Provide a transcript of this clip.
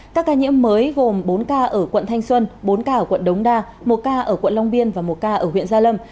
các ca nhiễm mới gồm bốn ca ở quận thanh xuân bốn ca ở quận đống đa một ca ở quận long biên và một ca ở huyện gia lâm